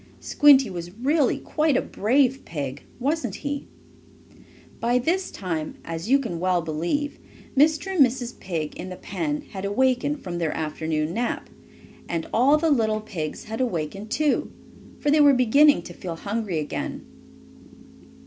Squinty was really quite a brave pig, wasn't he? By this time, as you can well believe, Mr. and Mrs. Pig, in the pen, had awakened from their afternoon sleep. And all the little pigs had awakened too, for they were beginning to feel hungry again.